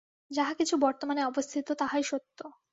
যাহা কিছু বর্তমানে অবস্থিত, তাহাই সত্য।